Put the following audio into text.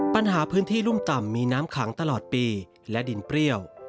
ปัญหาพื้นที่รุ่มต่ำมีน้ำขังตลอดปีและดินเปรี้ยว